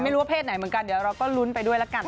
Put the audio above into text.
ไม่รู้ว่าเพศไหนเหมือนกันเดี๋ยวเราก็ลุ้นไปด้วยแล้วกันนะคะ